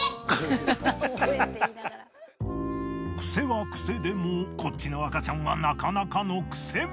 クセはクセでもこっちの赤ちゃんはなかなかのクセ者。